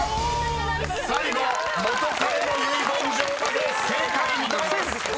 ［最後「元彼の遺言状」まで正解認めます！］